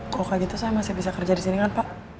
kalau kayak gitu saya masih bisa kerja di sini kan pak